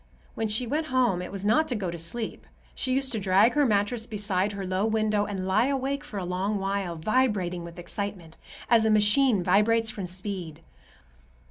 When she went home, it was not to go to sleep. She used to drag her mattress beside her low window and lie awake for a long while, vibrating with excitement, as a machine vibrates from speed.